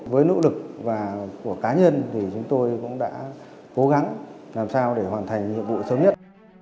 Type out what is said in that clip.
với nỗ lực và của cá nhân thì chúng tôi cũng đã cố gắng làm sao để hoàn thành nhiệm vụ sớm nhất